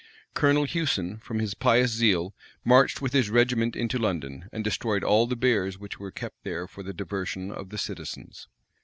Colonel Hewson, from his pious zeal, marched with his regiment into London, and destroyed all the bears which were kept there for the diversion of the citizens.